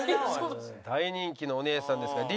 大人気のお姉さんですが理由は？